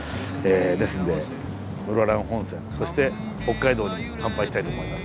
ですんで室蘭本線そして北海道に乾杯したいと思います。